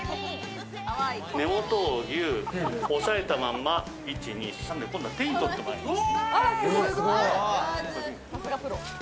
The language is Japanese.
根元をギュ、押さえたまま１・２・３で今度は手に取ってもらいます。